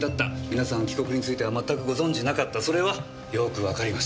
皆さん帰国についてはまったくご存知なかったそれはよーくわかりましたから。